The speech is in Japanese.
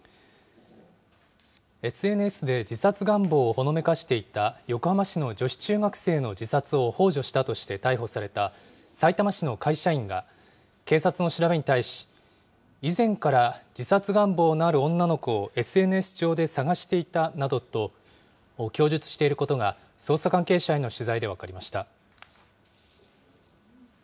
ＳＮＳで自殺願望をほのめかしていた横浜市の女子中学生の自殺をほう助したとして逮捕されたさいたま市の会社員が、警察の調べに対し、以前から自殺願望のある女の子をＳＮＳ上で探していたなどと供述していることが捜査関係者への取材で分かりました。